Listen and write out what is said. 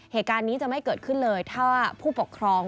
เหตุการณ์นี้จะไม่เกิดขึ้นเลยถ้าผู้ปกครอง